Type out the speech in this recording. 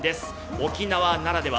沖縄ならでは。